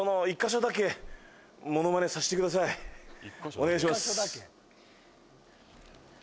お願いします。